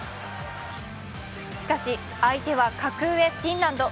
しかし、相手は格上・フィンランド。